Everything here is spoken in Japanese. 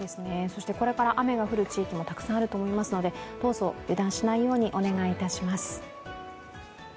そしてこれから雨が降る地域もたくさんあると思いますので、どうぞ油断しないようにお願いいたします。